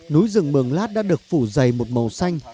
núi rừng mường lát đã được phủ dày một màu xanh